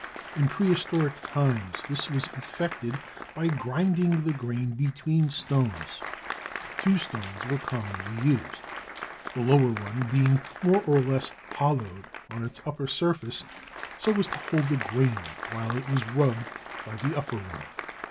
In prehistoric times this was effected by grinding the grain between stones. Two stones were commonly used, the lower one being more or less hollowed on its upper surface so as to hold the grain while it was rubbed by the upper one.